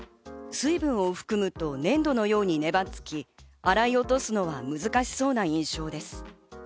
水分を含むと粘土のようにネバつき、洗い落とすのは難しそうな印象です。